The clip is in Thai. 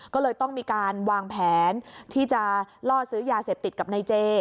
ก็เลยต้องมีการวางแผนที่จะล่อซื้อยาเสพติดกับนายเจ